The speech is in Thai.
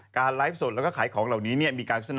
การไลฟ์สดแล้วก็ขายของเหล่านี้เนี่ย